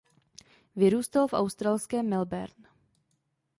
Vyrůstal v australském Melbourne.